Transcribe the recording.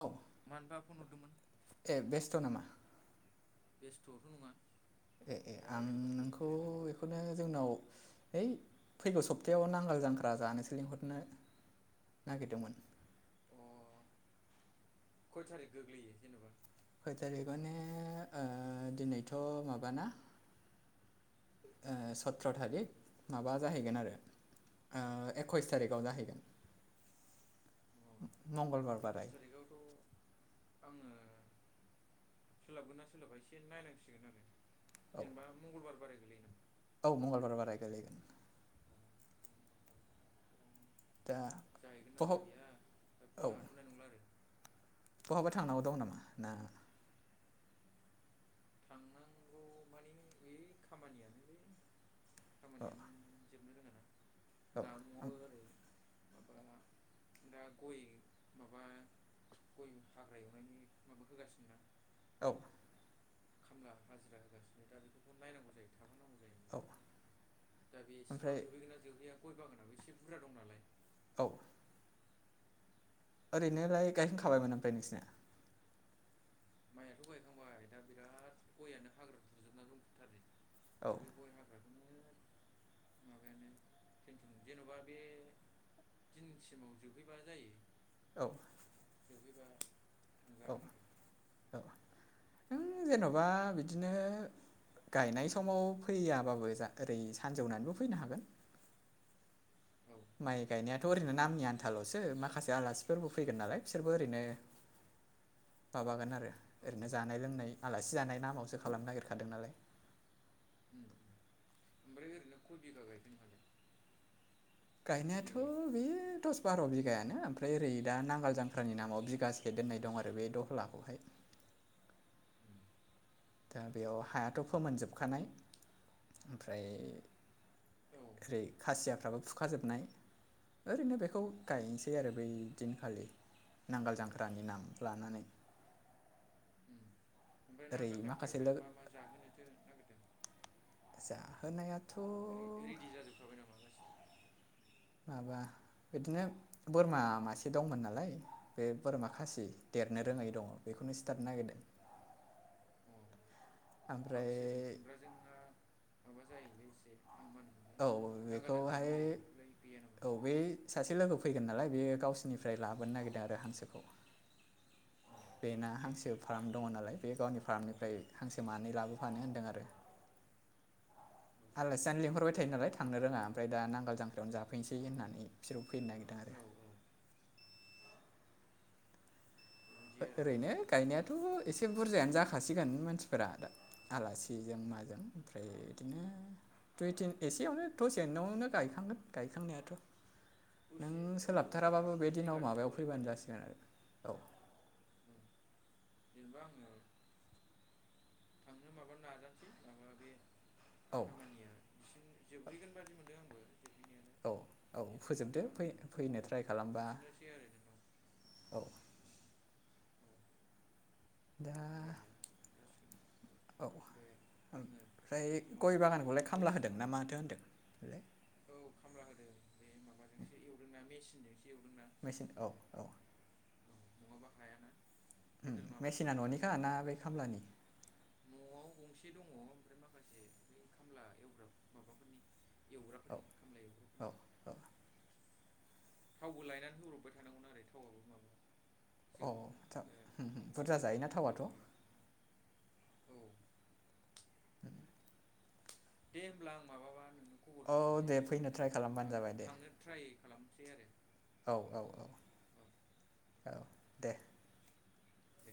औ मानोबा फन हरदोंमोन। ए बेस्थ' नामा। बेस्थ'थ' नङा। ए ए दा आं ओरैनो दंथ'यो नोंखौ जिरायनानै बेखौनो जोंनाव है फैगौ सब्तायाव नांगाल जांख्रा जानोसो लिंहरनो। नागिरदोंमोन। अ खय थारिख गोग्लैयो जेनेबा। खय थारिखआवनो दिनैथ' माबाना सत्र' थारिक माबा जाहैगोन आरो ओ एकयस थारिखाव जाहैगोन। अ मंगलबार एकस बाराय थारिखआवथ' आंङो सोलाबगोनना सोलाबा एसे नायनांसिगोन आरो। औ जेनेबा मंगलबार बाराय गोलैयो नामा। औ मंगलबार बाराय गलैगोन। नामा अ मंगलबार बारायावथ' दा जाहैगोन ना बहाव जाहैया दा औ बुंनो हाथ'नाय नंला आरो। बहाबा थांनांगौ दं नामा ना। थांनांगौ माने बे खामानियानो औ खामानियानो जोबनो रोङा ना औ न'आवबो ओम- ओरै माबा दा गय माबा गय हाग्रा एवनायनि माबा होगासिनो ना औ। खामला हाजिरा होगासिनो दा बेखौफोरखौबो नायनांगौ जायो। थाफानांगौ जायो औ ओमफ्राय दा ओमफ्राय बेसिमाव जोबहैगोन ना जोबहैया गय बागानाबो एसे बुरजा दं नालाय। औ। ओरैनोलाय औ गायखांखाबायमोन ओमफ्राय नोंसिना माइआथ' गायखांबाय दा बिराद गयानो हाग्रा दुजोबना दंथथारो औ दा बे गय हा ग्राखौनो माबायानो टेनसन जेन'बा बे दिन सिगांआव जोबहैबा जायो। औ। जोबहैबा औ थांजागोन आरो। औ जेन'बा बिदिनो गायनाय समाव फैयाबाबो जा ओरै सानजौनानैबो फैनो हागोन। औ माइ गायनायाथ' ओरैनो नामनि आनथाल'सो माखासे आलासिफोरबो फैगोन नालाय बिसोरबो ओरैनो माबागोन आरो औ ओरैनो उम जानाय लोंनाय आलासि जानाय नामावसो खालामनो नायगिर खादो नालाय अम ओमफ्राय ओरैनो कय बिगा गायखो नोंहालाय गायनायाथ' देग्लाय बे दस बार' बिगायानो ओमफ्राय ओरै दा नांगाल जांख्रानि नामाव बिगासे दोननाय दं आरो बे दखलाखौहाय अम दा बेयाव हायाथ' फोमोनजोबखानाय ओमफ्राय औ ओरै खासियाफ्राबो फुखाजोबनाय ओरैनो बेखौ गायनोसै आरो बै उम। दिनखालि नांगाल जांख्रानि नाम लानानै अम ओमफ्राय ओरै नांगोल माखासे जांख्रायावलाय लोगो मा मा जाहोनोथो नागिरदों। जाहोनायाथ' रेडि जाजोबखाबाय नामा गासिबो माबा बिदिनो बोरमा मासे दंमोन नालाय बे बोरमा खासि देरनो उम रोङै दङ बेखौनो सिथारनो नागिरदों। अ ओमफ्राय हांसोजों खुमब्राजोंआ माबा जायोलै एसे हामानो औ बेखौहाय गैया नामा औ बे सासे लोगो फैगोन नालाय बे गावसोरनिफ्राय लाबोनो नागिरदों आरो हांसोखौ उम बेना हांसो फार्म दङ नालाय बे गावनि फार्मनिफ्राय हांसो मानै लाबोफानो होनदों आरो। आलासि जानो लिंहरबाय थायो नालाय थांनो रोङा। ओमफ्राय दा नांगोल जांख्रायावनो जाफैनोसै होननानै बिसोरो फैनो नागिरदों आरो। औ औ [inaudible] ओरैनो गायनायाथ' एसे बुरजायानो जाखासिगोन मानसिफोरा दा आलासिजों माजों ओमफ्राय बिदिनो दुइ तिन एसेयावनो थ'जेननावनो गायखांगोन गायखांनायाथ'। नों दसेनो औ बारा सोलाबथाराबाबो बे दिनाव माबायाव बिगासेल'आलाय फैबानो माथोनो जासिगोन आरो औ। औ जेनेबा आङो थांनो माबा नाजानोसै माबा बे औ। खामानिया बिसिम जोबहैगोन बादि मोनदों आंबो जोबहैनायालाय औ औ बे फोजोबदो जोबबानो फै आं फैनो ट्राइ खबर खालामबा हरफिननोसै आरो नोंनाव। औ। औ दा होमबानो जासिगोन। औ बे आङो ओमफ्राय जिखुनु गय बागानखौलाय बै खामला होदों ना सिमावहाय माथो होनदों इलाय? औ खामला होदों बे माबाजोंसो एवदोंना मेसिनजोंसो एवदोंना। मेचिन औ औ। औ नङाबा हायाना टटेल माबासो मेसिना दंना न'निखा ना ओ बे खामलानि? न'आव गंसे दङ ओमफ्राय माखासे बै खामला एवग्रा माबाफोरनि औ एवग्राफोरनि खामला औ एवग्राफोरनि। औ। थावबो लायनानै होब्रबबाय थानांगौना एरै थावआबो माबा औ जोबोना आदसा बुरजा जायोना थावाथ' बे [unintelligible] औ। [inaudible] दे होमब्ला आं माबाबा नोंनो खबर औ होफिनसै दे सम फैनो ट्राइ जायोबाथाय खालामबानो आं जाबाय दे थांगोन। ट्राय खालामसै आरो। औ औ औ। औ। औ दे दे। दे।